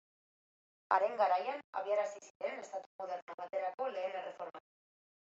Haren garaian abiarazi ziren estatu moderno baterako lehen erreformak.